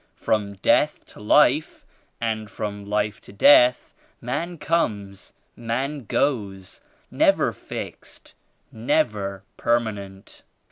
From death to life and from life to death, man comes, man goes, never fixed, never permanent.